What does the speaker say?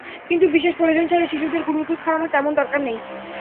কিন্তু বিশেষ প্রয়োজন ছাড়া শিশুদের গুঁড়া দুধ খাওয়ানোর তেমন দরকার নেই।